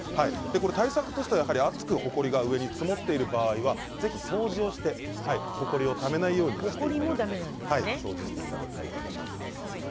対策としてはあつくほこりが詰まっている場合はぜひ掃除をしてほこりをためないようにそうしていただきたいと思います。